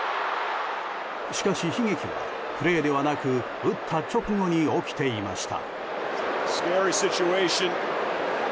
しかし悲劇はプレーではなく打った直後に起きていました。